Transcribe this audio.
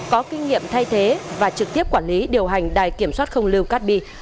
có kinh nghiệm thay thế và trực tiếp quản lý điều hành đài kiểm soát không lưu cát bi